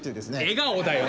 笑顔だよ！